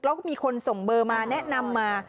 แล้วก็มีคนส่งเบอร์มาแนะนำมา